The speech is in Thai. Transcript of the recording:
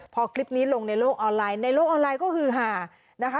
พอคลิปนี้ลงในโลกออนไลน์ในโลกออนไลน์ก็คือหานะคะ